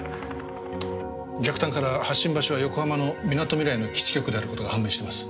逆探から発信場所は横浜のみなとみらいの基地局である事が判明しています。